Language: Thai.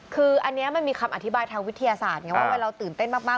คืออันนี้มันมีคำอธิบายทางวิทยาศาสตร์ไงว่าเวลาเราตื่นเต้นมาก